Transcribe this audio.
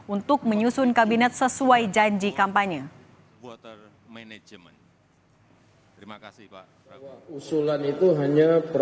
untuk menyusun kabinet sesuai janji kampanye